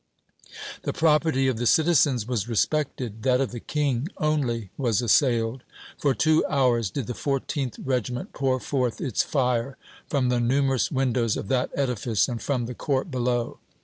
The property of the citizens was respected that of the King only was assailed. For two hours did the 14th Regiment pour forth its fire from the numerous windows of that edifice and from the court below.